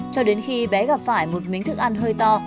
cho đến khi bé gặp phải một miếng thức ăn hơi to